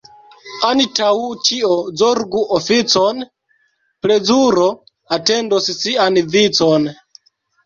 Antaŭ ĉio zorgu oficon, — plezuro atendos sian vicon.